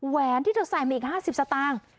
แหนที่เธอใส่มาอีก๕๐สตางค์